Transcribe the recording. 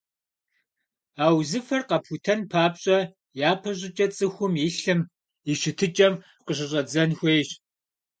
А узыфэр къэпхутэн папщӏэ, япэ щӏыкӏэ цӏыхум и лъым и щытыкӀэм къыщыщӀэдзэн хуейщ.